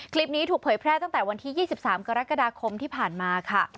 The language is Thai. คลิปนี้ถูกเผยแพร่ตั้งแต่วันที่๒๓กรกฎาคมที่ผ่านมาค่ะ